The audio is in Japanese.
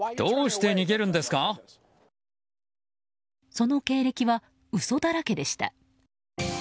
その経歴は嘘だらけでした。